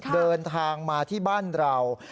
เดินทางมาที่บ้านเรา